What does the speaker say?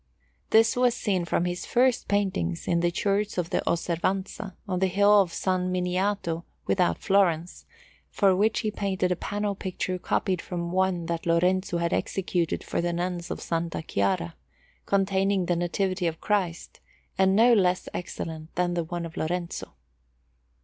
This was seen from his first paintings, in the Church of the Osservanza on the hill of San Miniato without Florence, for which he painted a panel picture copied from the one that Lorenzo had executed for the Nuns of S. Chiara, containing the Nativity of Christ, and no less excellent than the one of Lorenzo.